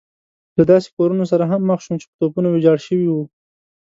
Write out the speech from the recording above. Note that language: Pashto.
له داسې کورونو سره هم مخ شوم چې په توپو ويجاړ شوي وو.